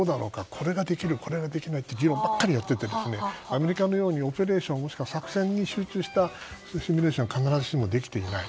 これができるこれができないという議論ばっかりやっていてアメリカのようにオペレーション、もしくは作戦に集中したシミュレーションは必ずしもできていない。